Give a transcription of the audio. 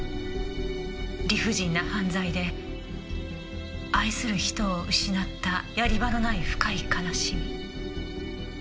理不尽な犯罪で愛する人を失ったやり場のない深い悲しみ。